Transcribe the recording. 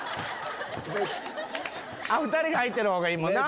２人が入ってるほうがいいもんな。